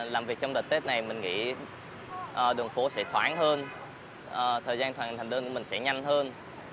làm việc trong đợt tết này mình nghĩ đường phố sẽ thoáng hơn thời gian thành đơn của mình sẽ nhanh hơn